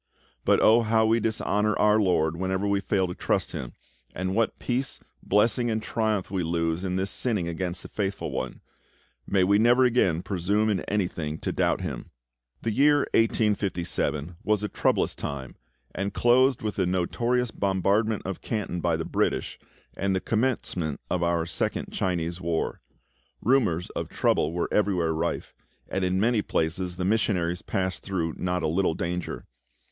But oh, how we dishonour our LORD whenever we fail to trust Him, and what peace, blessing, and triumph we lose in thus sinning against the Faithful One! May we never again presume in anything to doubt Him! The year 1857 was a troublous time, and closed with the notorious bombardment of Canton by the British, and the commencement of our second Chinese war. Rumours of trouble were everywhere rife, and in many places the missionaries passed through not a little danger.